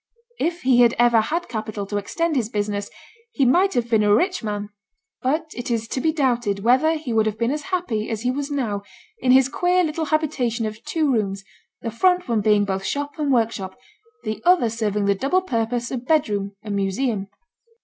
If he had ever had capital to extend his business, he might have been a rich man; but it is to be doubted whether he would have been as happy as he was now in his queer little habitation of two rooms, the front one being both shop and workshop, the other serving the double purpose of bedroom and museum.